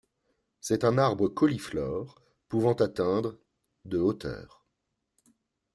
C'est un arbre cauliflore pouvant atteindre de hauteur.